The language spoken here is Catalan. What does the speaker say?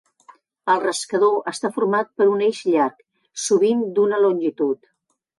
El rascador està format per un eix llarg, sovint d'una longitud.